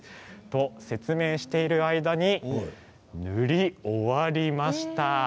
説明している間に塗り終わりました。